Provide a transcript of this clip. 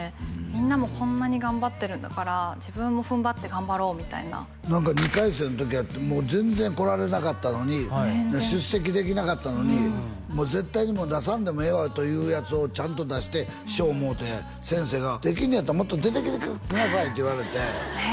みんなもこんなに頑張ってるんだから自分もふんばって頑張ろうみたいな何か２回生の時はもう全然来られなかったのに出席できなかったのにもう絶対に出さんでもええわというやつをちゃんと出して賞貰うて先生が「できんのやったらもっと出てきなさい」って言われてね